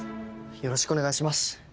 よろしくお願いします。